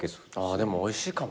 でもおいしいかもね。